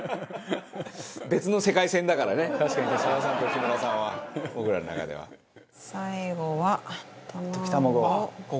別の世界線だからね和田さんと木村さんは僕らの中では。最後は卵を。